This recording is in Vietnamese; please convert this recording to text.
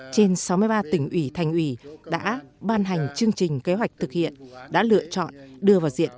sáu mươi ba trên sáu mươi ba tỉnh ủy thành ủy đã ban hành chương trình kế hoạch thực hiện đã lựa chọn đưa vào diện